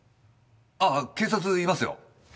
ああ警察いますよ。